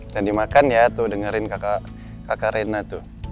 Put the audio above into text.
jangan dimakan ya tuh dengerin kakak kakak rena tuh